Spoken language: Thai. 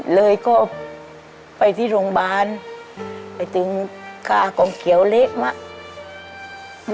เลยก็ไปที่โรงพยาบาลไปตึงค่ากลมเขียวเละมาก